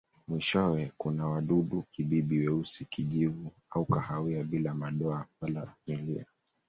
Mwishowe kuna wadudu-kibibi weusi, kijivu au kahawia bila madoa wala milia.